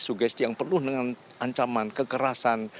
sugesti yang penuh dengan ancaman kekerasan